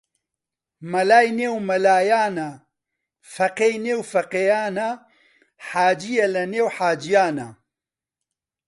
مەلای نێو مەلایانە فەقێی نێو فەقێیانە حاجیە لە نێو حاجیانە